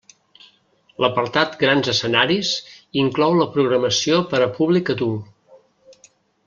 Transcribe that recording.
L'apartat Grans Escenaris inclou la programació per a públic adult.